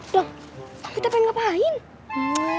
dong kamu itu pengen ngapain